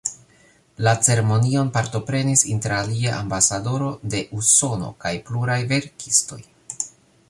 La ceremonion partoprenis interalie ambasadoro de Usono kaj pluraj verkistoj.